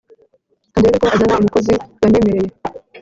Kandebe ko azana umukozi yanyemereye